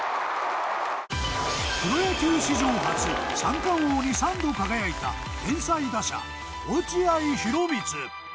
プロ野球史上初三冠王に３度輝いた天才打者落合博満。